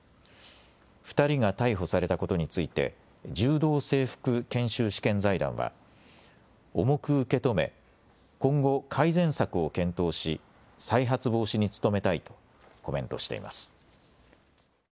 ２人が逮捕されたことについて柔道整復研修試験財団は重く受け止め今後、改善策を検討し再発防止に努めたいとコメントしています。